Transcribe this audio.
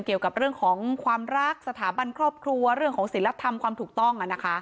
เกี่ยวกับเรื่องของความรักสถาบันครอบครัวเรื่องของศิลธรรมความถูกต้อง